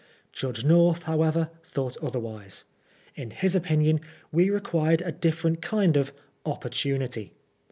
Judge North, however thought, otherwise ; in his opinion we required a different kind of " opportu nity.